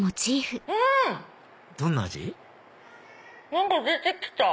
何か出てきた。